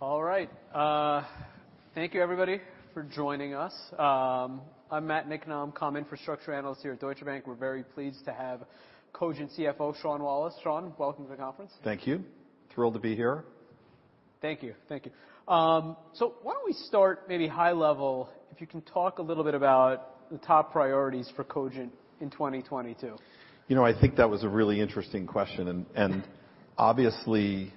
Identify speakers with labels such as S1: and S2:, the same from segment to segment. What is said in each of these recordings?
S1: All right. Thank you everybody for joining us. I'm Matt Niknam, Comm Infrastructure Analyst here at Deutsche Bank. We're very pleased to have Cogent CFO, Sean Wallace. Sean, welcome to the conference.
S2: Thank you. Thrilled to be here.
S1: Thank you. Why don't we start maybe high level, if you can talk a little bit about the top priorities for Cogent in 2022.
S2: You know, I think that was a really interesting question. Obviously,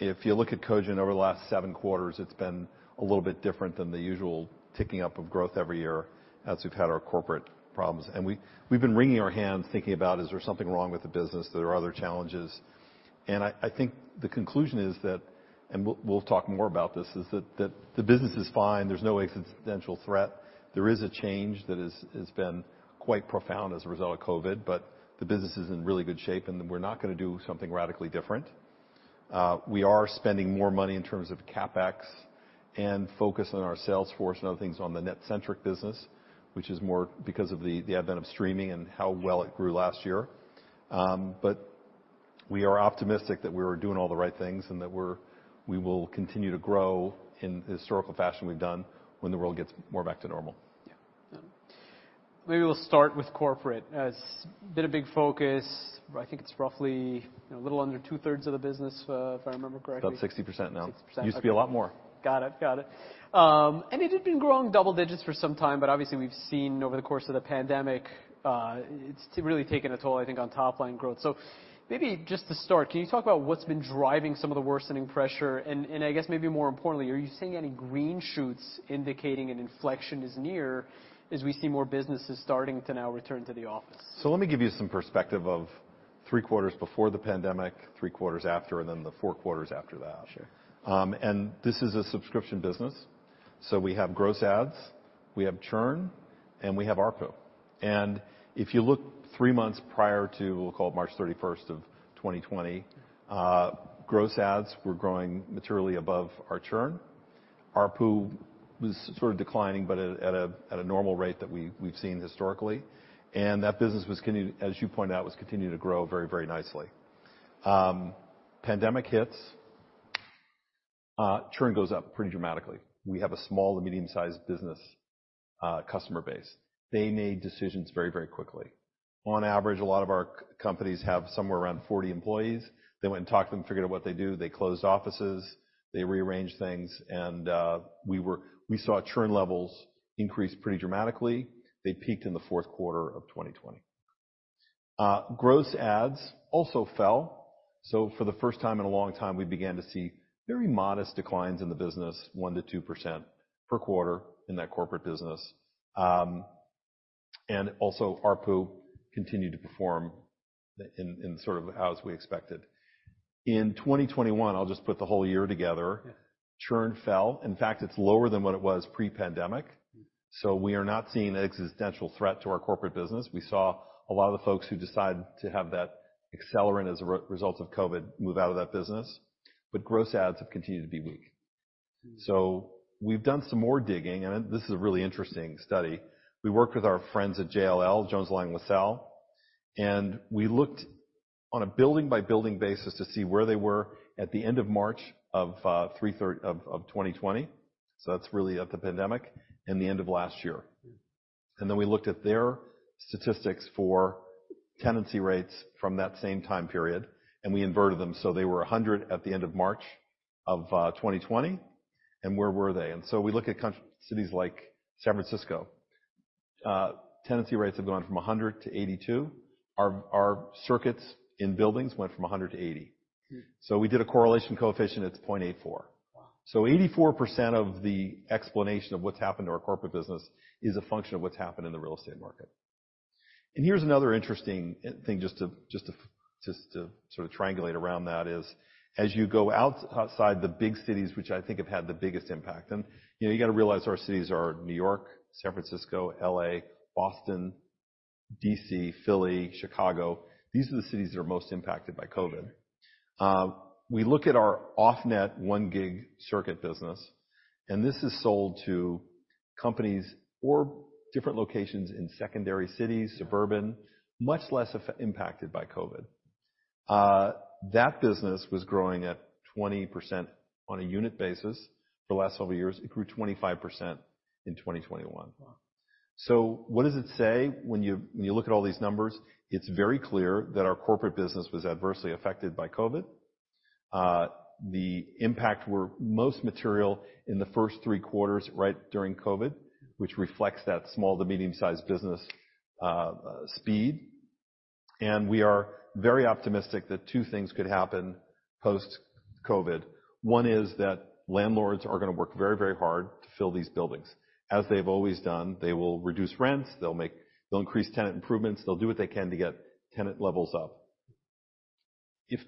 S2: if you look at Cogent over the last seven quarters, it's been a little bit different than the usual ticking up of growth every year as we've had our corporate problems. We've been wringing our hands thinking about, is there something wrong with the business? There are other challenges. I think the conclusion is that, and we'll talk more about this, is that the business is fine. There's no existential threat. There is a change that is, has been quite profound as a result of COVID, but the business is in really good shape, and we're not gonna do something radically different. We are spending more money in terms of CapEx and focus on our sales force and other things on the NetCentric business, which is more because of the advent of streaming and how well it grew last year. We are optimistic that we're doing all the right things and that we will continue to grow in the historical fashion we've done when the world gets more back to normal.
S1: Yeah. Maybe we'll start with corporate. It's been a big focus. I think it's roughly a little under two-thirds of the business, if I remember correctly.
S2: About 60% now.
S1: 60%.
S2: Used to be a lot more.
S1: Got it. It had been growing double digits for some time, but obviously, we've seen over the course of the pandemic, it's really taken a toll, I think, on top line growth. Maybe just to start, can you talk about what's been driving some of the worsening pressure? I guess maybe more importantly, are you seeing any green shoots indicating an inflection is near as we see more businesses starting to now return to the office?
S2: Let me give you some perspective of three quarters before the pandemic, three quarters after, and then the four quarters after that.
S1: Sure.
S2: This is a subscription business. We have gross adds, we have churn, and we have ARPU. If you look three months prior to, we'll call it March 31, 2020, gross adds were growing materially above our churn. ARPU was sort of declining, but at a normal rate that we've seen historically. That business, as you pointed out, was continuing to grow very, very nicely. Pandemic hits, churn goes up pretty dramatically. We have a small to medium-sized business customer base. They made decisions very, very quickly. On average, a lot of our companies have somewhere around 40 employees. They went and talked to them, figured out what they do. They closed offices, they rearranged things, and we saw churn levels increase pretty dramatically. They peaked in the fourth quarter of 2020. Gross adds also fell. For the first time in a long time, we began to see very modest declines in the business, 1%-2% per quarter in that corporate business. And also ARPU continued to perform in sort of as we expected. In 2021, I'll just put the whole year together.
S1: Yeah.
S2: Churn fell. In fact, it's lower than what it was pre-pandemic. We are not seeing an existential threat to our corporate business. We saw a lot of the folks who decided to have that accelerant as a result of COVID move out of that business. Gross adds have continued to be weak. We've done some more digging, and this is a really interesting study. We worked with our friends at JLL, Jones Lang LaSalle, and we looked on a building-by-building basis to see where they were at the end of March of 2020. That's really at the pandemic and the end of last year. Then we looked at their statistics for tenancy rates from that same time period, and we inverted them, so they were 100 at the end of March of 2020. Where were they? We look at cities like San Francisco. Tenancy rates have gone from 100%-82%. Our circuits in buildings went from 100%- 80%. We did a correlation coefficient, it's 0.84.
S1: Wow.
S2: 84% of the explanation of what's happened to our corporate business is a function of what's happened in the real estate market. Here's another interesting thing just to sort of triangulate around that is, as you go outside the big cities, which I think have had the biggest impact. You know, you got to realize our cities are New York, San Francisco, L.A., Boston, D.C., Philly, Chicago. These are the cities that are most impacted by COVID. We look at our off-net 1 gig circuit business, and this is sold to companies or different locations in secondary cities, suburban, much less impacted by COVID. That business was growing at 20% on a unit basis for the last several years. It grew 25% in 2021.
S1: Wow.
S2: What does it say when you look at all these numbers? It's very clear that our corporate business was adversely affected by COVID. The impact were most material in the first three quarters right during COVID, which reflects that small to medium-sized business speed. We are very optimistic that two things could happen post-COVID. One is that landlords are gonna work very, very hard to fill these buildings. As they've always done, they will reduce rents, they'll increase tenant improvements. They'll do what they can to get tenant levels up. If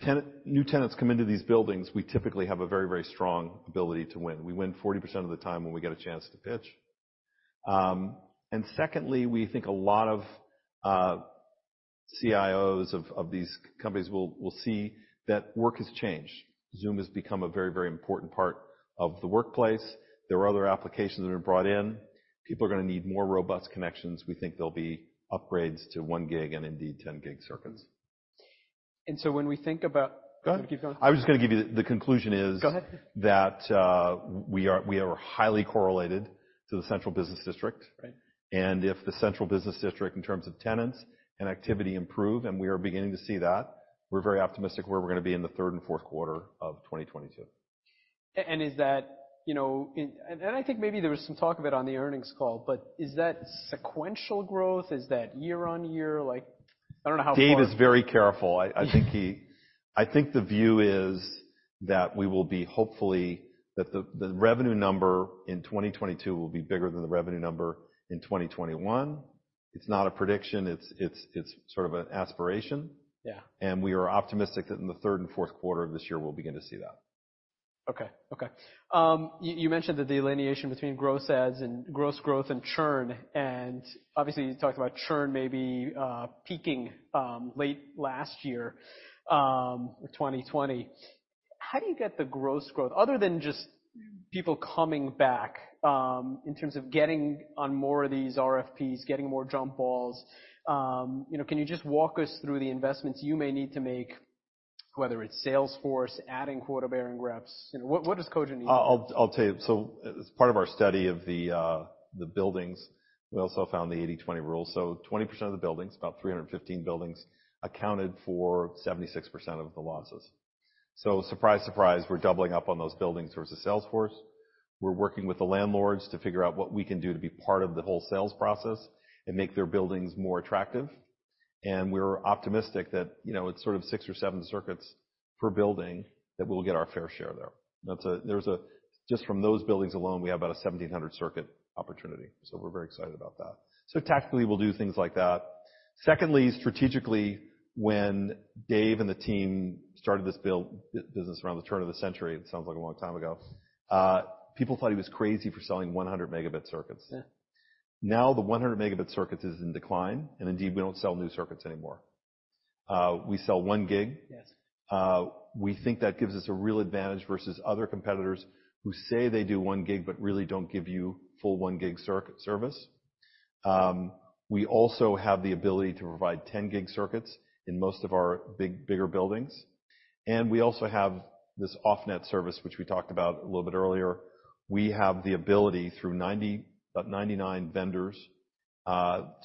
S2: new tenants come into these buildings, we typically have a very, very strong ability to win. We win 40% of the time when we get a chance to pitch. Secondly, we think a lot of CIOs of these companies will see that work has changed. Zoom has become a very, very important part of the workplace. There are other applications that are brought in. People are gonna need more robust connections. We think there'll be upgrades to 1 gig and indeed 10 gig circuits.
S1: Go ahead. Keep going.
S2: I was just gonna give you the conclusion.
S1: Go ahead.
S2: that we are highly correlated to the central business district.
S1: Right.
S2: If the central business district in terms of tenants and activity improve, and we are beginning to see that, we're very optimistic where we're gonna be in the third and fourth quarter of 2022.
S1: Is that, you know? I think maybe there was some talk of it on the earnings call, but is that sequential growth? Is that year-on-year? Like, I don't know how far.
S2: Dave is very careful. I think the view is that the revenue number in 2022 will be bigger than the revenue number in 2021. It's not a prediction. It's sort of an aspiration.
S1: Yeah.
S2: We are optimistic that in the third and fourth quarter of this year we'll begin to see that.
S1: You mentioned the delineation between gross adds and gross growth and churn, and obviously you talked about churn maybe peaking late last year, 2020. How do you get the gross growth other than just people coming back in terms of getting on more of these RFPs, getting more jump balls? You know, can you just walk us through the investments you may need to make, whether it's sales force, adding quota-bearing reps? You know, what does Cogent need?
S2: I'll tell you. As part of our study of the buildings, we also found the 80/20 rule. Twenty percent of the buildings, about 315 buildings, accounted for 76% of the losses. Surprise, surprise, we're doubling up on those buildings versus Salesforce. We're working with the landlords to figure out what we can do to be part of the whole sales process and make their buildings more attractive. We're optimistic that, you know, it's sort of six or seven circuits per building that we'll get our fair share there. Just from those buildings alone, we have about a 1,700 circuit opportunity. We're very excited about that. Tactically we'll do things like that. Secondly, strategically, when Dave and the team started this build, this business around the turn of the century, it sounds like a long time ago, people thought he was crazy for selling 100 Mb circuits.
S1: Yeah.
S2: Now the 100 Mb circuits is in decline, and indeed, we don't sell new circuits anymore. We sell 1 Gb.
S1: Yes.
S2: We think that gives us a real advantage versus other competitors who say they do 1 Gb, but really don't give you full 1 Gb circuit service. We also have the ability to provide 10 Gb circuits in most of our bigger buildings. We also have this off-net service, which we talked about a little bit earlier. We have the ability through about 99 vendors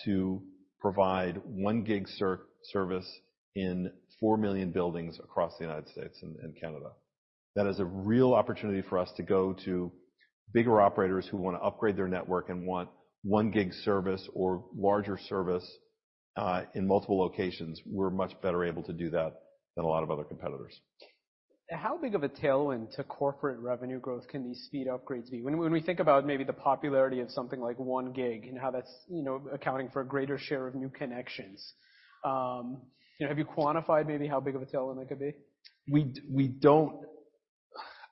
S2: to provide 1 Gb service in four million buildings across the United States and Canada. That is a real opportunity for us to go to bigger operators who wanna upgrade their network and want 1 Gb service or larger service in multiple locations. We're much better able to do that than a lot of other competitors.
S1: How big of a tailwind to corporate revenue growth can these speed upgrades be? When we think about maybe the popularity of something like 1 Gb and how that's, you know, accounting for a greater share of new connections, you know, have you quantified maybe how big of a tailwind that could be?
S2: We don't.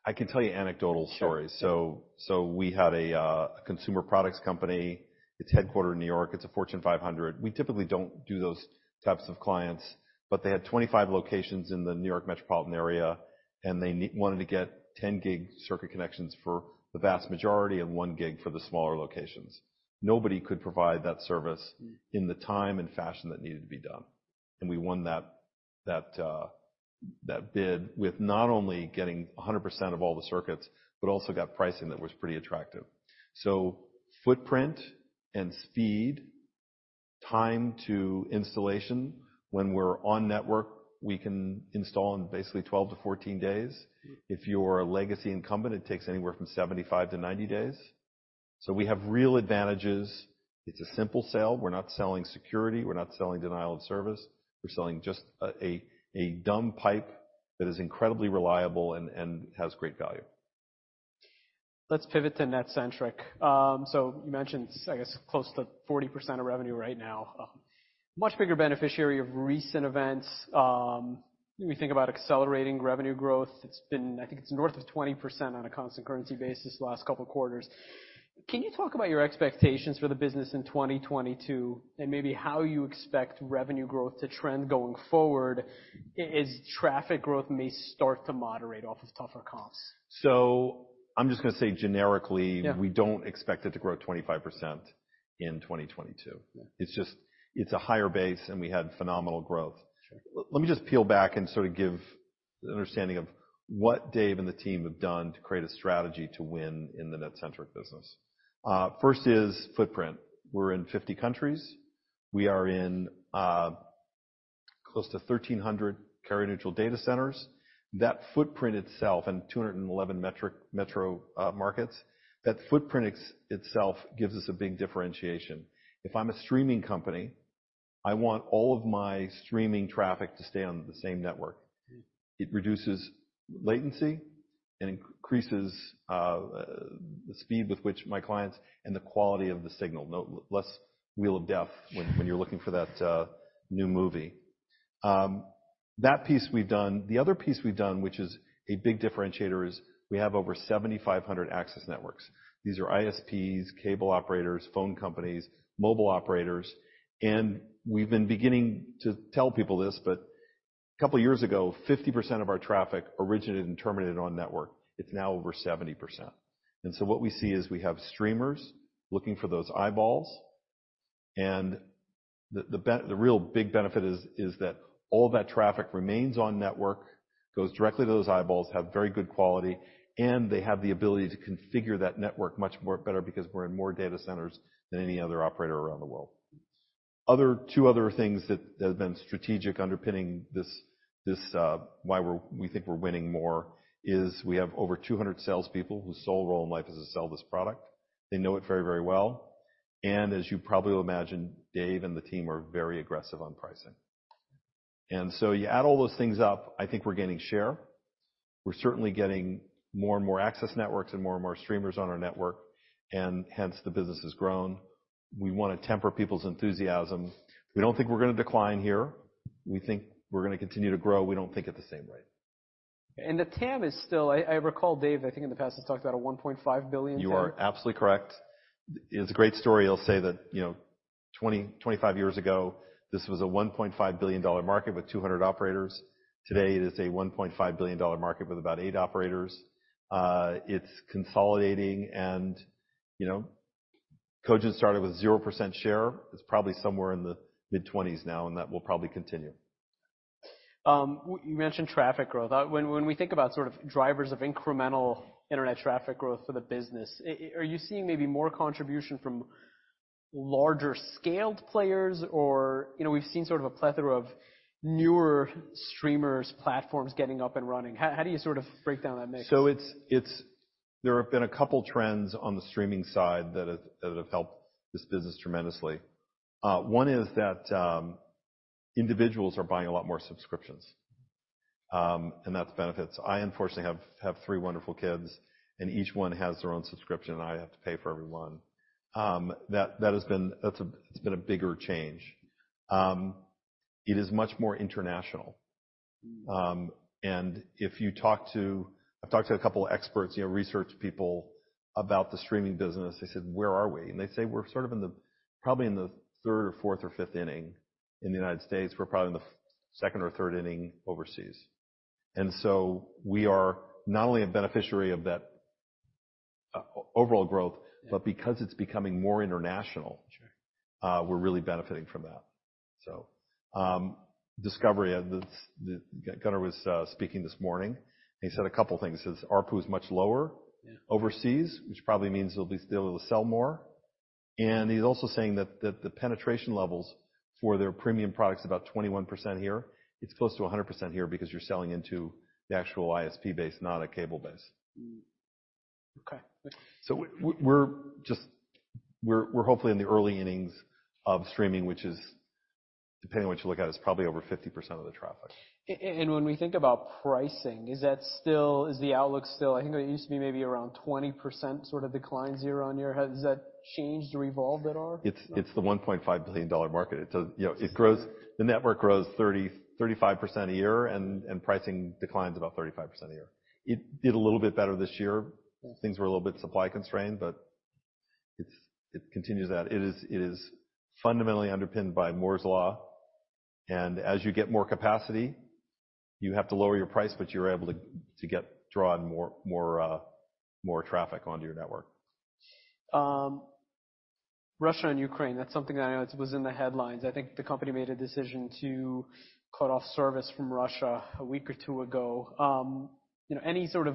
S2: I can tell you anecdotal stories.
S1: Sure.
S2: We had a consumer products company. It's headquartered in New York. It's a Fortune 500. We typically don't do those types of clients, but they had 25 locations in the New York metropolitan area, and they wanted to get 10 Gb circuit connections for the vast majority and 1 Gb for the smaller locations. Nobody could provide that service in the time and fashion that needed to be done. We won that bid with not only getting 100% of all the circuits, but also got pricing that was pretty attractive. Footprint and speed, time to installation. When we're on network, we can install in basically 12-14 days. If you're a legacy incumbent, it takes anywhere from 75-90 days. We have real advantages. It's a simple sale. We're not selling security. We're not selling denial of service. We're selling just a dumb pipe that is incredibly reliable and has great value.
S1: Let's pivot to NetCentric. So you mentioned, I guess, close to 40% of revenue right now. Much bigger beneficiary of recent events. When we think about accelerating revenue growth, I think it's north of 20% on a constant currency basis last couple quarters. Can you talk about your expectations for the business in 2022 and maybe how you expect revenue growth to trend going forward as traffic growth may start to moderate off of tougher comps?
S2: I'm just gonna say generically-
S1: Yeah.
S2: We don't expect it to grow 25% in 2022.
S1: Yeah.
S2: It's a higher base, and we had phenomenal growth.
S1: Sure.
S2: Let me just peel back and sort of give understanding of what Dave and the team have done to create a strategy to win in the NetCentric business. First is footprint. We're in 50 countries. We are in close to 1,300 carrier-neutral data centers. That footprint itself, and 211 metro markets, that footprint itself gives us a big differentiation. If I'm a streaming company, I want all of my streaming traffic to stay on the same network.
S1: Mm-hmm.
S2: It reduces latency and increases the speed with which my clients and the quality of the signal, no less wheel of death when you're looking for that new movie. That piece we've done. The other piece we've done, which is a big differentiator, is we have over 7,500 access networks. These are ISPs, cable operators, phone companies, mobile operators, and we've been beginning to tell people this, but a couple years ago, 50% of our traffic originated and terminated on network. It's now over 70%. What we see is we have streamers looking for those eyeballs. The real big benefit is that all that traffic remains on network, goes directly to those eyeballs, have very good quality, and they have the ability to configure that network much more better because we're in more data centers than any other operator around the world. Two other things that have been strategic underpinning this why we're winning more is we have over 200 salespeople whose sole role in life is to sell this product. They know it very, very well. As you probably imagine, Dave and the team are very aggressive on pricing. You add all those things up, I think we're gaining share. We're certainly getting more and more access networks and more and more streamers on our network, and hence, the business has grown. We wanna temper people's enthusiasm. We don't think we're gonna decline here. We think we're gonna continue to grow. We don't think at the same rate.
S1: The TAM is still. I recall Dave. I think in the past has talked about a $1.5 billion TAM.
S2: You are absolutely correct. It's a great story. I'll say that 20-25 years ago, this was a $1.5 billion market with 200 operators. Today it is a $1.5 billion market with about 8 operators. It's consolidating, and Cogent started with 0% share. It's probably somewhere in the mid-20s% now, and that will probably continue.
S1: You mentioned traffic growth. When we think about sort of drivers of incremental internet traffic growth for the business, are you seeing maybe more contribution from larger scaled players? Or, you know, we've seen sort of a plethora of newer streamers, platforms getting up and running. How do you sort of break down that mix?
S2: There have been a couple trends on the streaming side that have helped this business tremendously. One is that individuals are buying a lot more subscriptions, and that benefits. I unfortunately have three wonderful kids, and each one has their own subscription, and I have to pay for every one. That has been a bigger change. It is much more international. I've talked to a couple of experts, you know, research people about the streaming business. They said, "Where are we?" They say we're sort of probably in the third or fourth or fifth inning in the United States. We're probably in the second or third inning overseas. We are not only a beneficiary of that overall growth, but because it's becoming more international.
S1: Sure.
S2: We're really benefiting from that. Discovery, Gunnar was speaking this morning, and he said a couple things. He says ARPU is much lower-
S1: Yeah.
S2: overseas, which probably means they'll be still able to sell more. He's also saying that the penetration levels for their premium products is about 21% here. It's close to 100% here because you're selling into the actual ISP base, not a cable base.
S1: Okay.
S2: We're just hopefully in the early innings of streaming, which is, depending on what you look at, is probably over 50% of the traffic.
S1: When we think about pricing, is the outlook still? I think it used to be maybe around 20% sort of declines year-over-year. Has that changed or evolved at all?
S2: It's the $1.5 billion market. It does, you know, it grows. The network grows 30%-35% a year and pricing declines about 35% a year. It did a little bit better this year.
S1: Yeah.
S2: Things were a little bit supply constrained, but it continues that. It is fundamentally underpinned by Moore's Law, and as you get more capacity, you have to lower your price, but you're able to draw in more traffic onto your network.
S1: Russia and Ukraine, that's something that I know it was in the headlines. I think the company made a decision to cut off service from Russia a week or two ago. You know,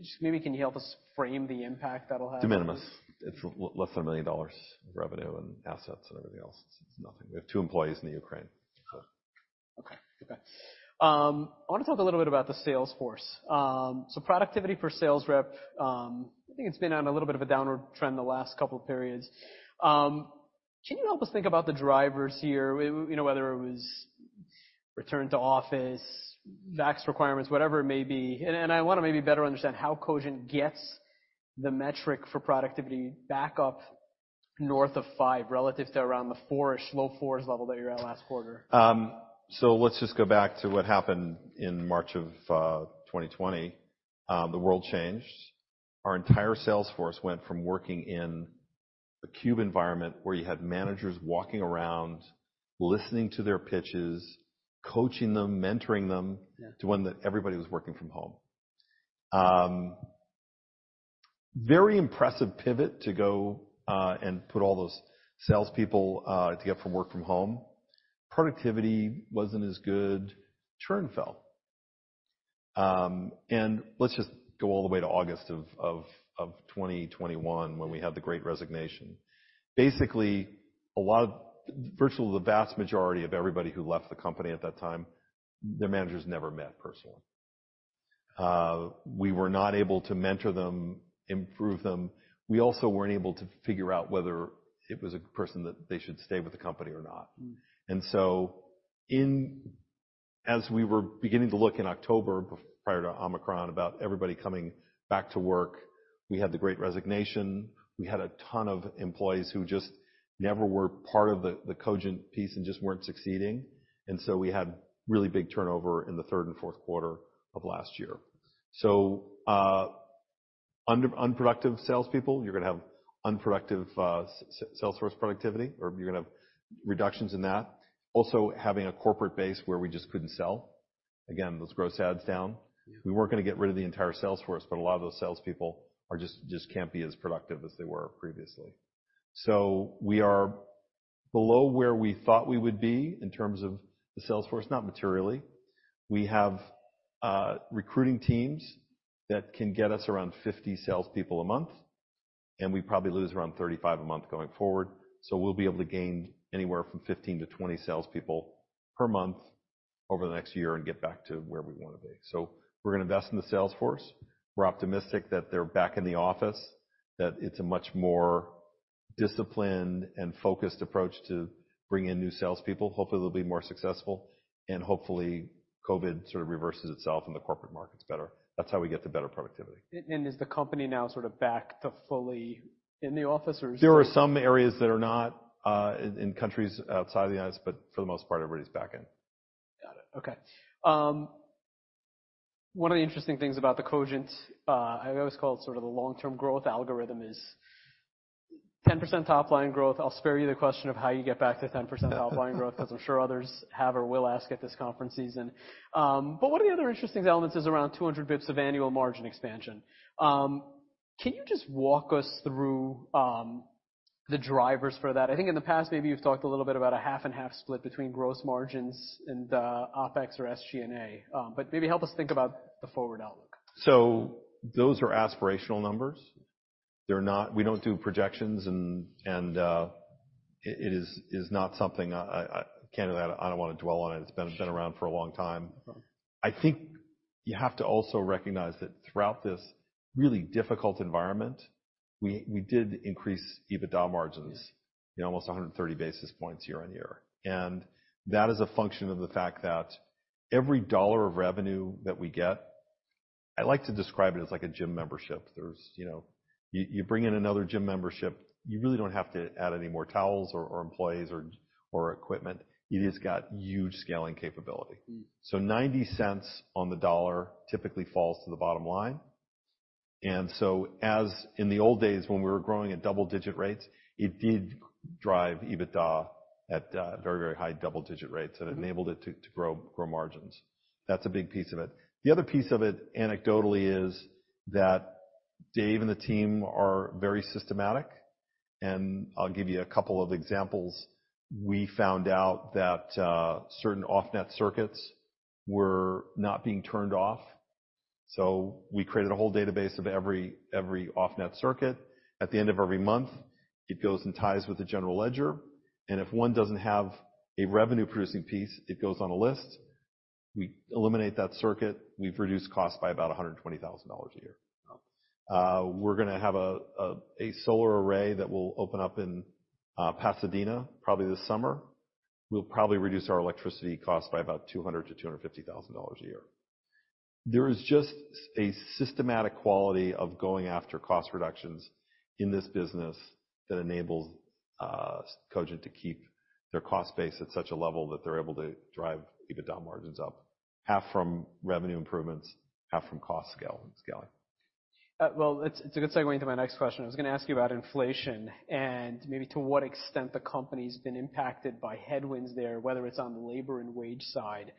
S1: just maybe can you help us frame the impact that'll have?
S2: De minimis. It's less than $1 million revenue and assets and everything else. It's nothing. We have two employees in Ukraine, so.
S1: Okay. I wanna talk a little bit about the sales force. Productivity per sales rep, I think it's been on a little bit of a downward trend the last couple of periods. Can you help us think about the drivers here? Well, you know, whether it was return to office, vax requirements, whatever it may be. I wanna maybe better understand how Cogent gets the metric for productivity back up north of 5 relative to around the 4-ish, low 4s level that you were at last quarter.
S2: Let's just go back to what happened in March of 2020. The world changed. Our entire sales force went from working in a cube environment where you had managers walking around, listening to their pitches, coaching them, mentoring them.
S1: Yeah.
S2: To one that everybody was working from home. Very impressive pivot to go and put all those salespeople to work from home. Productivity wasn't as good. Churn fell. Let's just go all the way to August of 2021 when we had the Great Resignation. Basically, virtually the vast majority of everybody who left the company at that time, their managers never met personally. We were not able to mentor them, improve them. We also weren't able to figure out whether it was a person that they should stay with the company or not.
S1: Mm-hmm.
S2: As we were beginning to look in October prior to Omicron, about everybody coming back to work, we had the Great Resignation. We had a ton of employees who just never were part of the Cogent piece and just weren't succeeding. We had really big turnover in the third and fourth quarter of last year. Unproductive salespeople, you're gonna have unproductive sales force productivity or you're gonna have reductions in that. Also having a corporate base where we just couldn't sell. Again, those gross adds down. We weren't gonna get rid of the entire sales force, but a lot of those sales people are just can't be as productive as they were previously. We are below where we thought we would be in terms of the sales force, not materially. We have recruiting teams that can get us around 50 salespeople a month, and we probably lose around 35 a month going forward. We'll be able to gain anywhere from 15-20 salespeople per month over the next year and get back to where we wanna be. We're gonna invest in the sales force. We're optimistic that they're back in the office, that it's a much more disciplined and focused approach to bring in new salespeople. Hopefully, they'll be more successful, and hopefully, COVID sort of reverses itself and the corporate market's better. That's how we get to better productivity.
S1: Is the company now sort of back to fully in the office? Or is it-
S2: There are some areas that are not, in countries outside the U.S., but for the most part, everybody's back in.
S1: Got it. Okay. One of the interesting things about the Cogent, I always call it sort of the long-term growth algorithm is 10% top line growth. I'll spare you the question of how you get back to 10% top line growth, 'cause I'm sure others have or will ask at this conference season. One of the other interesting elements is around 200 basis points of annual margin expansion. Can you just walk us through the drivers for that? I think in the past, maybe you've talked a little bit about a half and half split between gross margins and OpEx or SG&A, but maybe help us think about the forward outlook.
S2: Those are aspirational numbers. They're not. We don't do projections, and it is not something, candidly, I don't wanna dwell on it. It's been around for a long time.
S1: Okay.
S2: I think you have to also recognize that throughout this really difficult environment, we did increase EBITDA margins, you know, almost 130 basis points year-over-year. That is a function of the fact that every dollar of revenue that we get, I like to describe it as like a gym membership. There's, you know, you bring in another gym membership, you really don't have to add any more towels or employees or equipment. It has got huge scaling capability.
S1: Mm.
S2: 90 cents on the dollar typically falls to the bottom line. As in the old days when we were growing at double-digit rates, it did drive EBITDA at very high double-digit rates, and enabled it to grow margins. That's a big piece of it. The other piece of it, anecdotally, is that Dave and the team are very systematic, and I'll give you a couple of examples. We found out that certain off-net circuits were not being turned off, so we created a whole database of every off-net circuit. At the end of every month, it goes and ties with the general ledger, and if one doesn't have a revenue-producing piece, it goes on a list. We eliminate that circuit. We've reduced costs by about $120,000 a year. We're gonna have a solar array that will open up in Pasadena probably this summer. We'll probably reduce our electricity cost by about $200,000-$250,000 a year. There is just a systematic quality of going after cost reductions in this business that enables Cogent to keep their cost base at such a level that they're able to drive EBITDA margins up, half from revenue improvements, half from cost scaling.
S1: Well, it's a good segue into my next question. I was gonna ask you about inflation and maybe to what extent the company's been impacted by headwinds there, whether it's on the labor and wage side,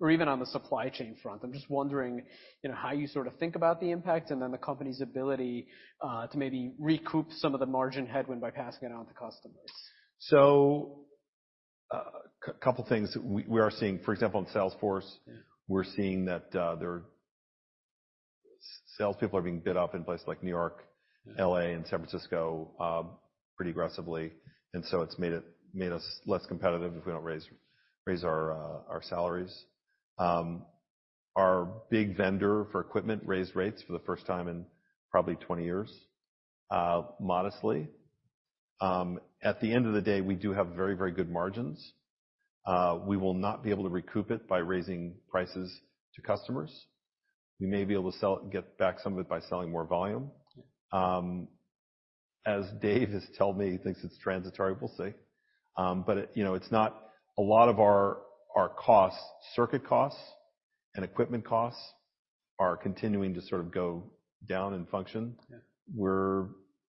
S1: or even on the supply chain front. I'm just wondering, you know, how you sort of think about the impact and then the company's ability to maybe recoup some of the margin headwind by passing it on to customers.
S2: Couple things. We are seeing, for example, in Salesforce.
S1: Mm.
S2: We're seeing that their salespeople are being bid up in places like New York, L.A., and San Francisco pretty aggressively, and so it's made us less competitive if we don't raise our salaries. Our big vendor for equipment raised rates for the first time in probably 20 years, modestly. At the end of the day, we do have very, very good margins. We will not be able to recoup it by raising prices to customers. We may be able to get back some of it by selling more volume. As Dave has told me, he thinks it's transitory. We'll see. You know, it's not a lot of our costs. Circuit costs and equipment costs are continuing to sort of go down in function.
S1: Yeah.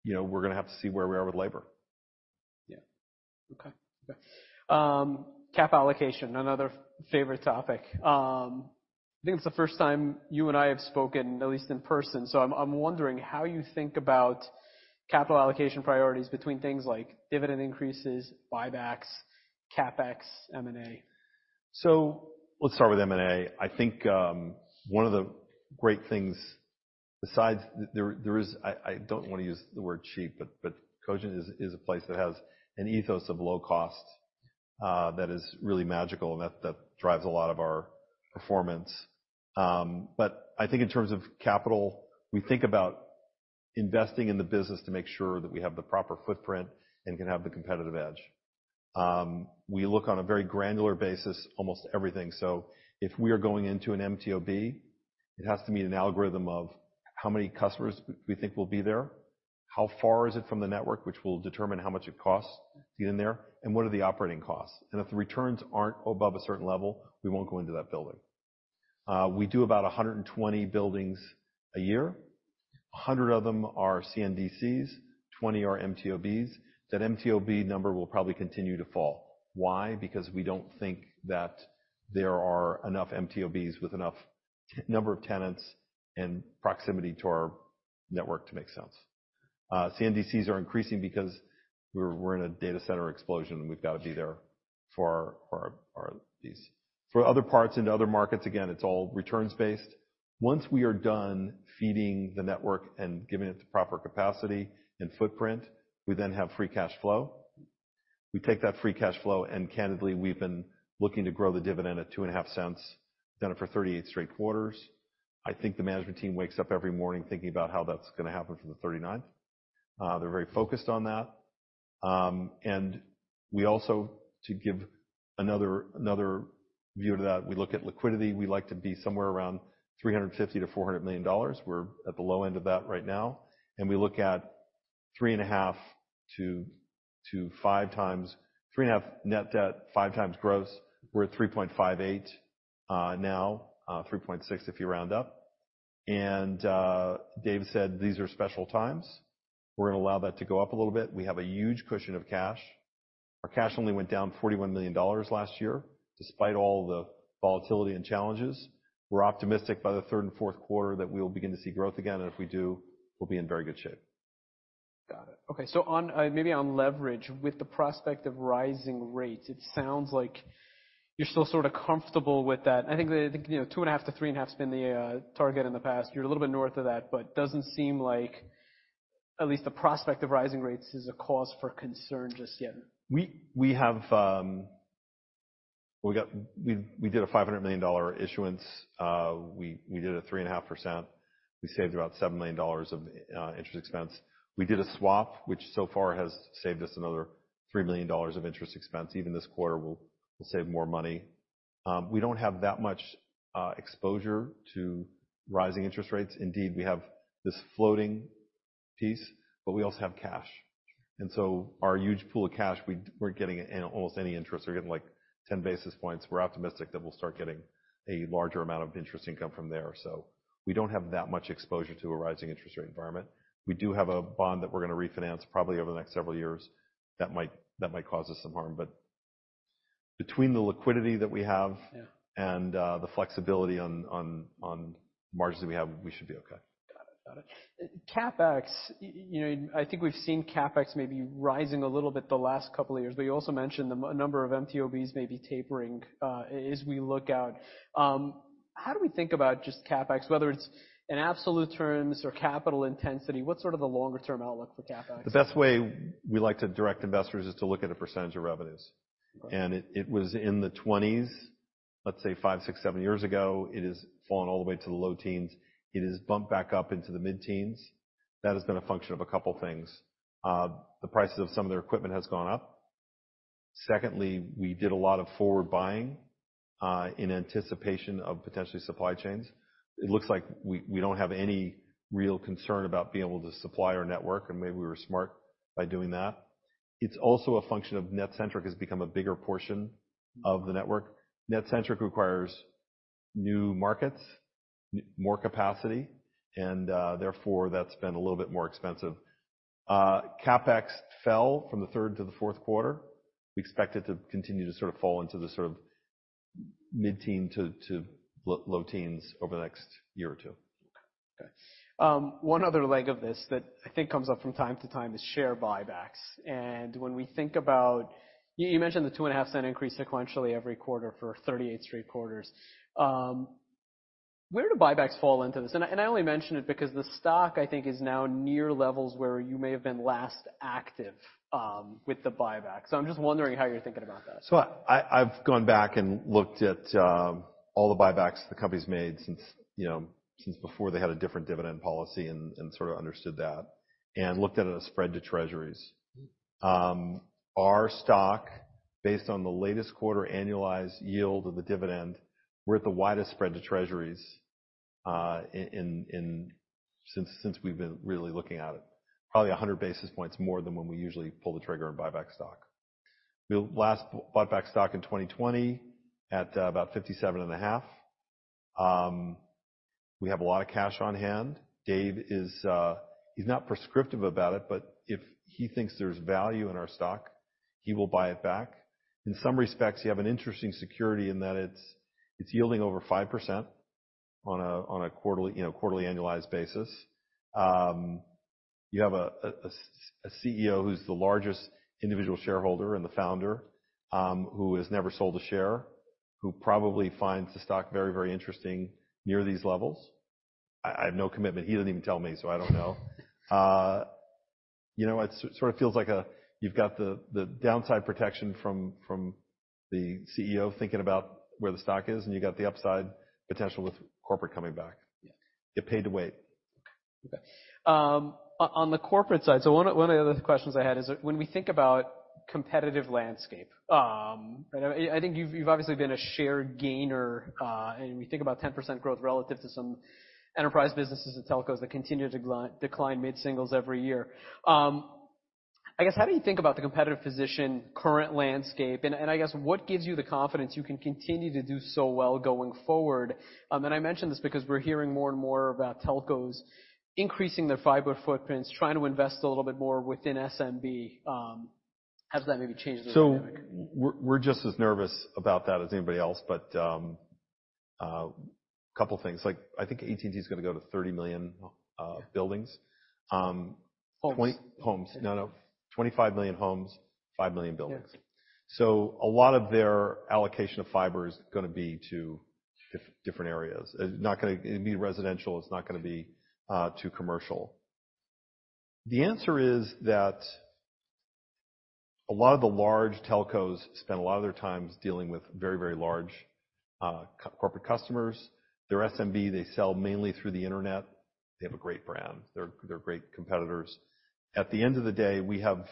S2: You know, we're gonna have to see where we are with labor.
S1: Yeah. Okay. Capital allocation, another favorite topic. I think it's the first time you and I have spoken, at least in person, so I'm wondering how you think about capital allocation priorities between things like dividend increases, buybacks, CapEx, M&A.
S2: Let's start with M&A. I think one of the great things I don't wanna use the word cheap, but Cogent is a place that has an ethos of low cost that is really magical and that drives a lot of our performance. I think in terms of capital, we think about investing in the business to make sure that we have the proper footprint and can have the competitive edge. We look on a very granular basis, almost everything. If we are going into an MTOB, it has to meet an algorithm of how many customers we think will be there, how far is it from the network, which will determine how much it costs to get in there, and what are the operating costs. If the returns aren't above a certain level, we won't go into that building. We do about 120 buildings a year. 100 of them are CNDCs, 20 are MTOBs. That MTOB number will probably continue to fall. Why? Because we don't think that there are enough MTOBs with enough number of tenants and proximity to our network to make sense. CNDCs are increasing because we're in a data center explosion. We've got to be there for our lease. For other parts into other markets, again, it's all returns-based. Once we are done feeding the network and giving it the proper capacity and footprint, we then have free cash flow. We take that free cash flow and candidly, we've been looking to grow the dividend at $0.025. Done it for 38 straight quarters. I think the management team wakes up every morning thinking about how that's gonna happen for the 39th. They're very focused on that. We also, to give another view to that, we look at liquidity. We like to be somewhere around $350 million-$400 million. We're at the low end of that right now. We look at 3.5-5x, 3.5 net debt, 5x gross. We're at 3.58 now. 3.6 if you round up. Dave said these are special times. We're gonna allow that to go up a little bit. We have a huge cushion of cash. Our cash only went down $41 million last year, despite all the volatility and challenges. We're optimistic by the third and fourth quarter that we will begin to see growth again, and if we do, we'll be in very good shape.
S1: Got it. Okay. On, maybe on leverage with the prospect of rising rates, it sounds like you're still sort of comfortable with that. I think you know 2.5-3.5 has been the target in the past. You're a little bit north of that, but doesn't seem like at least the prospect of rising rates is a cause for concern just yet.
S2: We did a $500 million issuance. We did a 3.5%. We saved about $7 million of interest expense. We did a swap, which so far has saved us another $3 million of interest expense. Even this quarter we'll save more money. We don't have that much exposure to rising interest rates. Indeed, we have this floating piece, but we also have cash. Our huge pool of cash, we weren't getting almost any interest. We're getting like 10 basis points. We're optimistic that we'll start getting a larger amount of interest income from there. We don't have that much exposure to a rising interest rate environment. We do have a bond that we're gonna refinance probably over the next several years that might cause us some harm. Between the liquidity that we have-
S1: Yeah.
S2: The flexibility on margins that we have, we should be okay.
S1: Got it. CapEx, you know, I think we've seen CapEx maybe rising a little bit the last couple of years. You also mentioned a number of MTOB may be tapering as we look out. How do we think about just CapEx, whether it's in absolute terms or capital intensity, what's sort of the longer term outlook for CapEx?
S2: The best way we like to direct investors is to look at a percentage of revenues.
S1: Right.
S2: It was in the 20s, let's say five, six, seven years ago. It has fallen all the way to the low teens. It has bumped back up into the mid-teens. That has been a function of a couple of things. The prices of some of their equipment has gone up. Secondly, we did a lot of forward buying in anticipation of potentially supply chains. It looks like we don't have any real concern about being able to supply our network, and maybe we were smart by doing that. It's also a function of NetCentric has become a bigger portion of the network. NetCentric requires new markets, more capacity, and therefore, that's been a little bit more expensive. CapEx fell from the third to the fourth quarter. We expect it to continue to sort of fall into the sort of mid-teens to low teens over the next year or two.
S1: Okay. One other leg of this that I think comes up from time to time is share buybacks. When we think about you mentioned the 2.5-cent increase sequentially every quarter for 38 straight quarters. Where do buybacks fall into this? I only mention it because the stock, I think, is now near levels where you may have been last active with the buyback. I'm just wondering how you're thinking about that.
S2: I've gone back and looked at all the buybacks the company's made since before they had a different dividend policy and sort of understood that, and looked at it as spread to Treasuries. Our stock, based on the latest quarter annualized yield of the dividend, we're at the widest spread to Treasuries in since we've been really looking at it. Probably 100 basis points more than when we usually pull the trigger and buy back stock. We last bought back stock in 2020 at about $57.5. We have a lot of cash on hand. Dave, he's not prescriptive about it, but if he thinks there's value in our stock, he will buy it back. In some respects, you have an interesting security in that it's yielding over 5% on a quarterly annualized basis. You know, you have a CEO who's the largest individual shareholder and the founder, who has never sold a share, who probably finds the stock very interesting near these levels. I have no commitment. He doesn't even tell me, so I don't know. You know, it sort of feels like you've got the downside protection from the CEO thinking about where the stock is, and you got the upside potential with corporate coming back.
S1: Yeah.
S2: Get paid to wait.
S1: Okay. On the corporate side, one of the other questions I had is when we think about competitive landscape. I think you've obviously been a share gainer, and we think about 10% growth relative to some enterprise businesses and telcos that continue to decline mid-singles every year. I guess, how do you think about the competitive position current landscape? I guess what gives you the confidence you can continue to do so well going forward? I mention this because we're hearing more and more about telcos increasing their fiber footprints, trying to invest a little bit more within SMB. Has that maybe changed the dynamic?
S2: We're just as nervous about that as anybody else. Couple things, like, I think AT&T is gonna go to 30 million buildings.
S1: Homes.
S2: Homes. No, no. 25 million homes, five million buildings.
S1: Yeah.
S2: A lot of their allocation of fiber is gonna be to different areas. It's not gonna be residential, it's not gonna be too commercial. The answer is that a lot of the large telcos spend a lot of their times dealing with very, very large corporate customers. They're SMB, they sell mainly through the Internet. They have a great brand. They're great competitors. At the end of the day, we have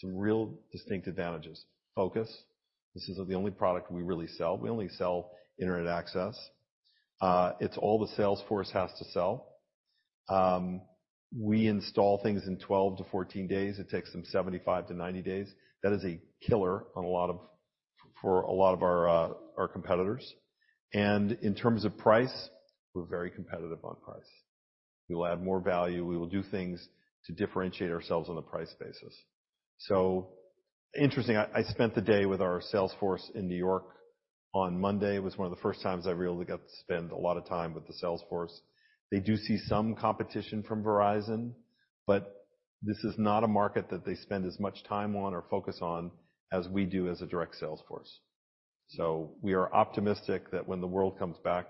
S2: some real distinct advantages. Focus. This is the only product we really sell. We only sell Internet access. It's all the sales force has to sell. We install things in 12-14 days. It takes them 75-90 days. That is a killer for a lot of our competitors. In terms of price, we're very competitive on price. We will add more value. We will do things to differentiate ourselves on a price basis. Interesting, I spent the day with our sales force in New York on Monday. It was one of the first times I really got to spend a lot of time with the sales force. They do see some competition from Verizon, but this is not a market that they spend as much time on or focus on as we do as a direct sales force. We are optimistic that when the world comes back,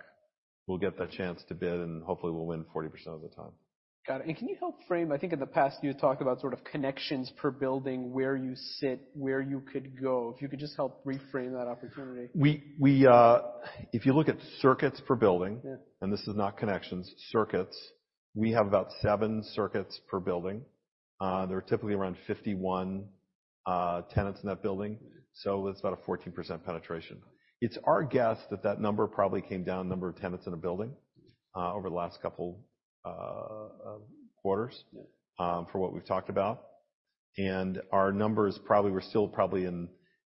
S2: we'll get that chance to bid, and hopefully we'll win 40% of the time.
S1: Got it. Can you help frame. I think in the past you talked about sort of connections per building, where you sit, where you could go. If you could just help reframe that opportunity.
S2: We if you look at circuits per building.
S1: Yeah.
S2: this is not connections, circuits. We have about seven circuits per building. There are typically around 51 tenants in that building.
S1: Mm-hmm.
S2: It's about a 14% penetration. It's our guess that that number probably came down, number of tenants in a building, over the last couple quarters.
S1: Yeah.
S2: For what we've talked about. Our numbers probably were still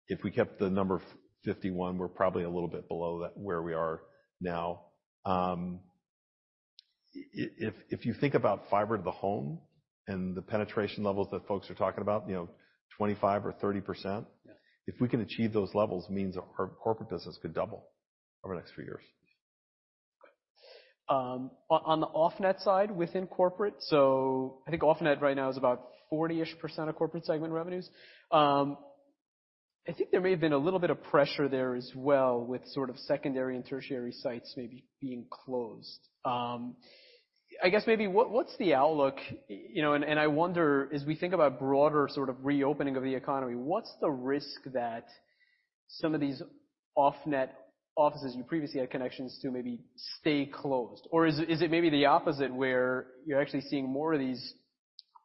S2: if we kept the number 51, we're probably a little bit below that, where we are now. If you think about fiber to the home and the penetration levels that folks are talking about, you know, 25 or 30%.
S1: Yeah.
S2: If we can achieve those levels, it means our corporate business could double over the next few years.
S1: On the off-net side within corporate, so I think off-net right now is about 40-ish% of corporate segment revenues. I think there may have been a little bit of pressure there as well with sort of secondary and tertiary sites maybe being closed. I guess maybe what's the outlook, you know? I wonder, as we think about broader sort of reopening of the economy, what's the risk that some of these off-net offices you previously had connections to maybe stay closed? Or is it maybe the opposite, where you're actually seeing more of these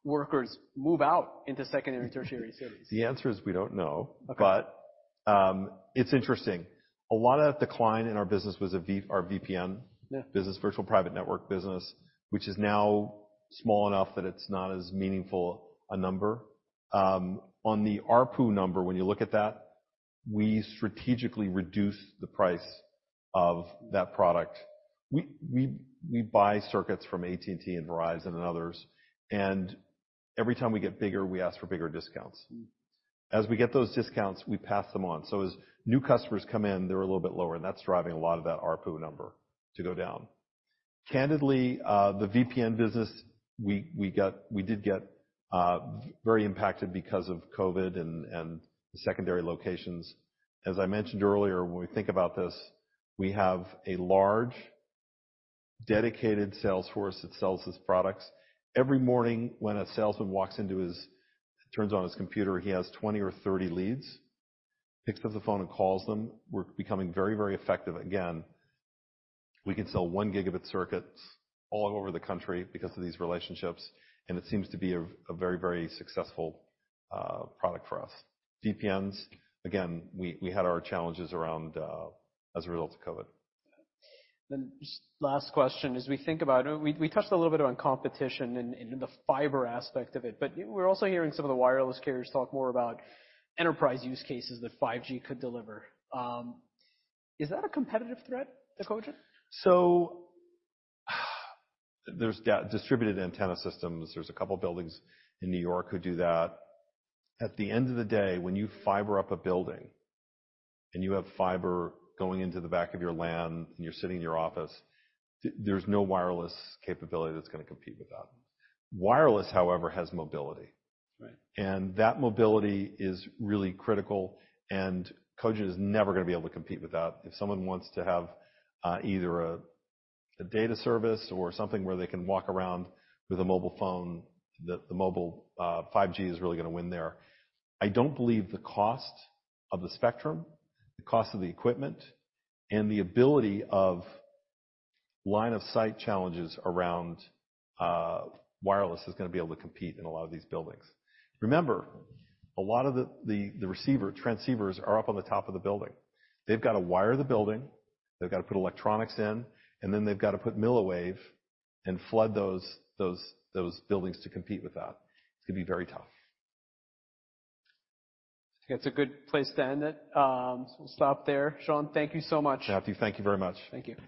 S1: workers move out into secondary and tertiary cities?
S2: The answer is we don't know.
S1: Okay.
S2: It's interesting. A lot of decline in our business was our VPN
S1: Yeah.
S2: business, virtual private network business, which is now small enough that it's not as meaningful a number. On the ARPU number, when you look at that, we strategically reduce the price of that product. We buy circuits from AT&T and Verizon and others, and every time we get bigger, we ask for bigger discounts.
S1: Mm-hmm.
S2: As we get those discounts, we pass them on. As new customers come in, they're a little bit lower, and that's driving a lot of that ARPU number to go down. Candidly, the VPN business, we did get very impacted because of COVID and the secondary locations. As I mentioned earlier, when we think about this, we have a large dedicated sales force that sells these products. Every morning when a salesman turns on his computer, he has 20 or 30 leads, picks up the phone and calls them. We're becoming very, very effective again. We can sell 1 Gb circuits all over the country because of these relationships, and it seems to be a very, very successful product for us. VPNs, again, we had our challenges around, as a result of COVID.
S1: Just last question. As we think about it, we touched a little bit on competition and the fiber aspect of it, but we're also hearing some of the wireless carriers talk more about enterprise use cases that 5G could deliver. Is that a competitive threat to Cogent?
S2: There's distributed antenna systems. There's a couple buildings in New York who do that. At the end of the day, when you fiber up a building and you have fiber going into the back of your LAN and you're sitting in your office, there's no wireless capability that's gonna compete with that. Wireless, however, has mobility.
S1: Right.
S2: That mobility is really critical, and Cogent is never gonna be able to compete with that. If someone wants to have either a data service or something where they can walk around with a mobile phone, the mobile 5G is really gonna win there. I don't believe the cost of the spectrum, the cost of the equipment, and the ability of line of sight challenges around wireless is gonna be able to compete in a lot of these buildings. Remember, a lot of the transceivers are up on the top of the building. They've got to wire the building. They've got to put electronics in, and then they've got to put millimeter wave and flood those buildings to compete with that. It's gonna be very tough.
S1: I think that's a good place to end it. We'll stop there. Sean, thank you so much.
S2: Matt, thank you very much.
S1: Thank you.